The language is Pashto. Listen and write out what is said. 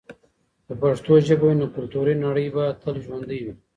که پښتو ژبه وي، نو کلتوري نړی به تل ژوندي وي.